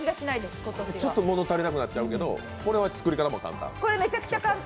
ちょっと物足りなくなっちゃうけど、これは作り方も簡単？